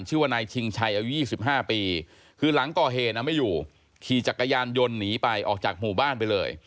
ชื่อว่านายชิงชัยอายุ๒๕ปีคือหลังก่อเหตุไม่อยู่ขี่จักรยานยนต์หนีไปออกจากหมู่บ้านไปเลย